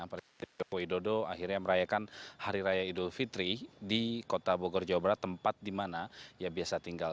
presiden jokowi dodo akhirnya merayakan hari raya idul fitri di kota bogor jawa barat tempat di mana ia biasa tinggal